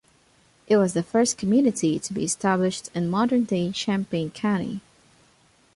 It was the first community to be established in modern-day Champaign County.